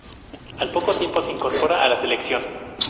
Al poco tiempo se incorpora a la selección.